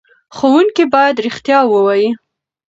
ښوونکي باید رښتیا ووايي.